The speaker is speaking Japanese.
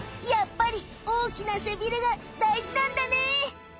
やっぱり大きな背ビレが大事なんだね。